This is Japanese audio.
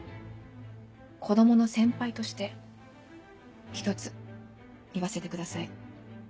子供の先輩として一つ言わせてください。